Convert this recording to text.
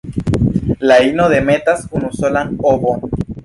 La ino demetas unusolan ovon.